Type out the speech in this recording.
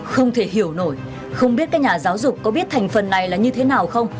không thể hiểu nổi không biết các nhà giáo dục có biết thành phần này là như thế nào không